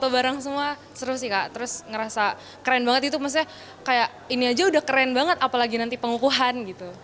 maksudnya kayak ini aja udah keren banget apalagi nanti pengukuhan gitu